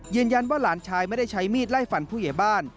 ยืนยันว่าหลานชายไม่ได้ใช้มีดไล่ฟันผู้เยี่ยบ้าน